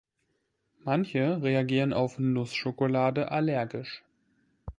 Manche reagieren auf Nussschokolade allergisch.